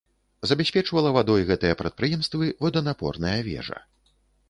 Забяспечвала вадой гэтыя прадпрыемствы воданапорная вежа.